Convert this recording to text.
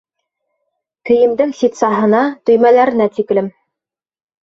Кейемдең ситсаһына, төймәләренә тиклем.